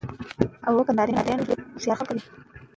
موږ به تر ماښامه پورې د مېلمنو لپاره ځای برابر کړی وي.